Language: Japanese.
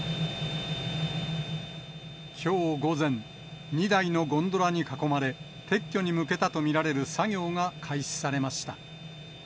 きょう午前、２台のゴンドラに囲まれ、撤去に向けたと見られる作業が開始されました。